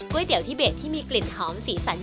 เตี๋ยวทิเบสที่มีกลิ่นหอมสีสัน